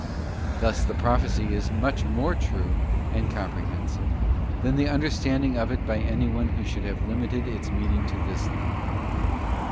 Thus the pro phecy is much more true and comprehensive than the under standing of it by anyone who should have limited its mean ing to this life.